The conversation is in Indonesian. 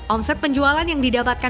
omset penjualan yang didapatkan